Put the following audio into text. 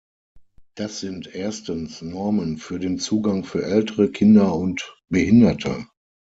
Das sind erstens Normen für den Zugang für Ältere, Kinder und Behinderte.